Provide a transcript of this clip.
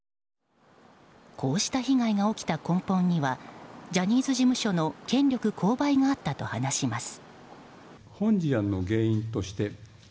こうした被害が起きた根本にはジャニーズ事務所の権力勾配があったと話します。